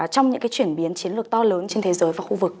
trong những chuyển biến chiến lược to lớn trên thế giới và khu vực